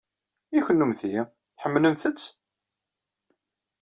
I kennemti, tḥemmlemt-tt?